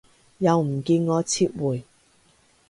又唔見我撤回